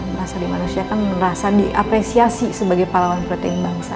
merasa dimanusiakan merasa diapresiasi sebagai pahlawan protein bangsa